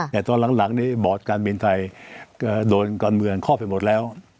แต่ตอนหลังนี้บอร์ดการบินไทยก็โดนการเมืองข้อไปหมดแล้ว